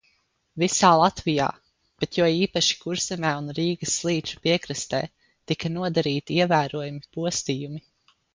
Visā Latvijā, bet jo īpaši Kurzemē un Rīgas līča piekrastē, tika nodarīti ievērojami postījumi.